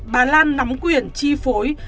bà lan nắm quyền chi phối